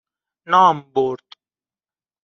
نام برد